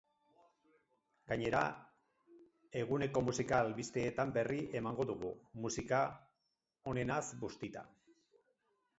Gainera, eguneko musika albisteen berri emango dugu, musika onenaz bustita.